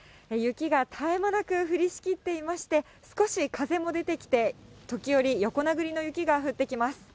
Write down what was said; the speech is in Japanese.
雪が絶え間なく降りしきっていまして、少し風も出てきて、時折、横殴りの雪が降ってきます。